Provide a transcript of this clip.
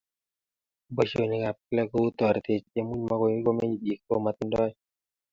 Boishonik ab kila kou toretet chemuch makoi komeny biik komatindoi